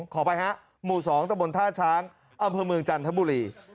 ขอไปฮะหมู่๒ตะบนท่าช้างอำเภอเมืองจันทบุรี